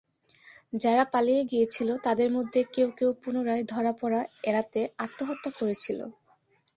যারা পালিয়ে গিয়েছিল তাদের মধ্যে কেউ কেউ পুনরায় ধরা পড়া এড়াতে আত্মহত্যা করেছিল।